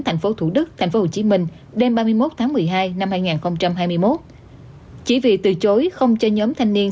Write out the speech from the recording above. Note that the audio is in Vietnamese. tp thủ đức tp hcm đêm ba mươi một tháng một mươi hai năm hai nghìn hai mươi một chỉ vì từ chối không cho nhóm thanh niên